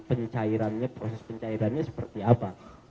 pencairannya proses pencairannya seperti apa